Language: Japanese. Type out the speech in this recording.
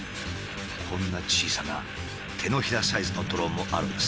こんな小さな手のひらサイズのドローンもあるんです。